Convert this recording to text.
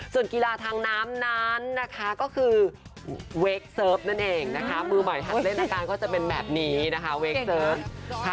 ส่วนกีฬาทางน้ำนั้นนะคะก็คือเวคเซิร์ฟนั่นเองนะคะมือใหม่ทันเล่นอาการก็จะเป็นแบบนี้นะคะเวคเซิร์ฟค่ะ